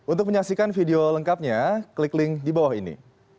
untuk menyaksikan video lengkapnya klik link di bawah ini